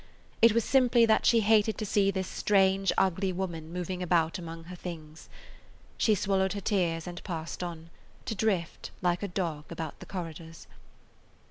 It was simply that she hated to see this strange, ugly woman moving about among her things. She swallowed her tears and passed on, to drift, like a dog, about the corridors.